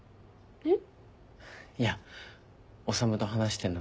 えっ？